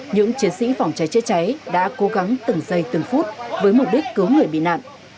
những chiến sĩ phòng cháy chữa cháy đã cố gắng từng giây từng phút với mục đích cứu người bị nạn